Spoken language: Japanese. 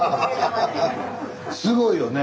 すごいよね。